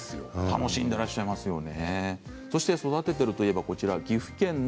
楽しんでいらっしゃいますよね。